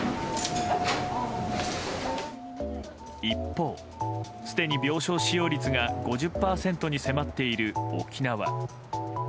一方、すでに病床使用率が５０％に迫っている沖縄。